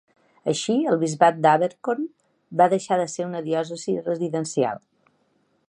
Així, el bisbat d'Abercorn va deixar de ser una diòcesi residencial.